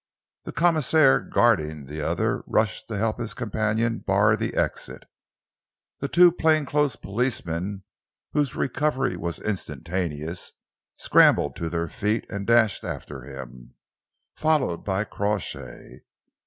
The commissionaire guarding the other rushed to help his companion bar the exit. The two plainclothes policemen, whose recovery was instantaneous, scrambled to their feet and dashed after him, followed by Crawshay.